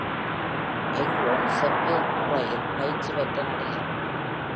எங்லுண்ட் செவ்வியல் முறையில் பயிற்சி பெற்ற நடிகர்.